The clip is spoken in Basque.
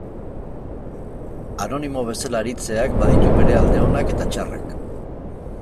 Anonimo bezala aritzeak baditu bere alde onak eta txarrak.